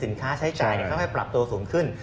สินค้าใช้จ่ายเข้าให้ปรับโตสูงขึ้น